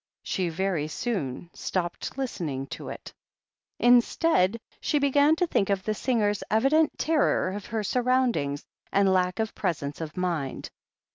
She very soon stopped listening to it. Instead, she began to think of the singer's evident terror of her surroundings and lack of presence of mind.